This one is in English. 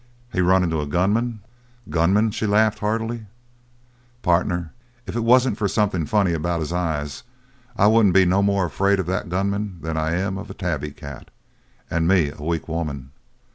"He run into a gunman?" "Gunman?" she laughed heartily. "Partner, if it wasn't for something funny about his eyes, I wouldn't be no more afraid of that gunman than I am of a tabby cat. And me a weak woman.